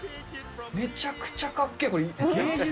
めちゃくちゃかっけー。